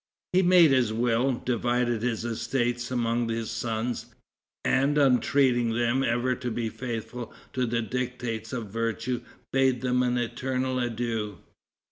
He made his will, divided his estates among his sons, and entreating them ever to be faithful to the dictates of virtue, bade them an eternal adieu.